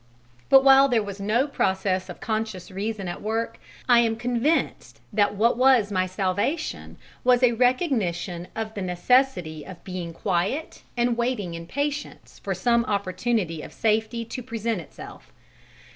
But while there was no process of conscious reason at work, I am convinced that what was my salvation was a recognition of the necessity of being quiet and waiting in patience for some opportunity of safety to present itself.